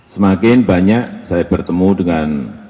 semakin banyak saya bertemu dengan